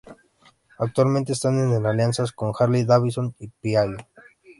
Actualmente están en alianzas con Harley Davidson y Piaggio.